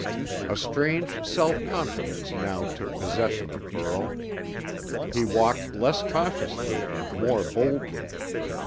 A strange self confidence now took possession of Burl. He walked less cautiously and more boldly.